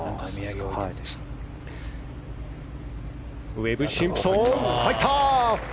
ウェブ・シンプソン、入った！